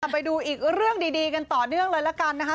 ไปดูอีกเรื่องดีกันต่อเนื่องเลยละกันนะคะ